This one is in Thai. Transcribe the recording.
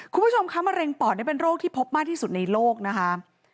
คุณผู้ชมคะมะเร็งปอดนี่เป็นโรคที่พบมากที่สุดในโลกนะคะ